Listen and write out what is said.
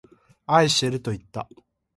愛してるといった。